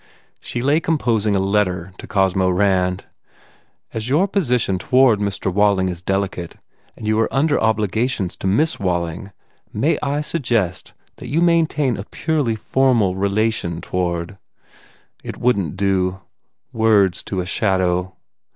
She lay composing a letter to Cosmo Rand "As your posit on toward Mr. Walling is delicate and you are under obliga tions to Miss Walling may I suggest that you maintain a purely formal relation toward " It wouldn t do. Words to a shadow.